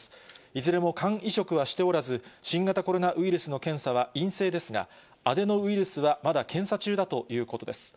いずれも肝移植はしておらず、新型コロナウイルスの検査は陰性ですが、アデノウイルスはまだ検査中だということです。